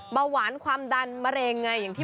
เบาหวานความดันมะเร็งไงอย่างที่